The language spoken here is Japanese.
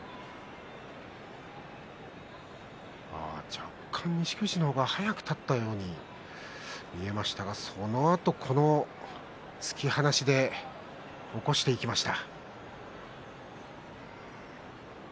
若干、錦富士の方が早く立ったように見えましたがそのあと、この突き放しで起こしていきました。